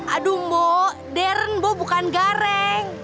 aduh bo darren bo bukan gareng